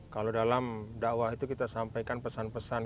kalau dalam dakwah itu kita sampaikan pesan pesan